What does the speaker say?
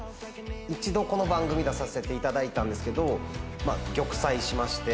一度この番組出させていただいたんですけどまあ玉砕しまして。